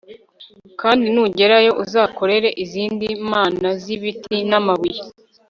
kandi nugerayo uzakorera izindi mana z ibiti n amabuye